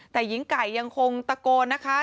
แต่หญิงไก่ยังคงตะโกนนะคะ